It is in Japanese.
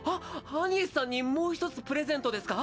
アニエスさんにもう１つプレゼントですか？